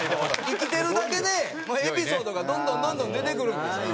生きてるだけでエピソードがどんどんどんどん出てくるんですよ。